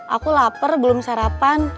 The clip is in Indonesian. aku lapar belum sarapan